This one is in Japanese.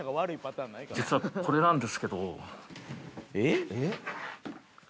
実は、これなんですけど。